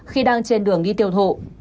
khi đang trên đường đi tiêu thụ